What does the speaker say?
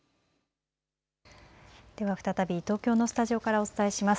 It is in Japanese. では再び東京のスタジオからお伝えします。